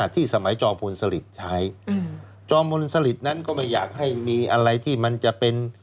ที่สมัยจอมพลสลิตใช้จอมพลสลิตนั้นก็ไม่อยากให้มีอะไรที่มันจะเป็น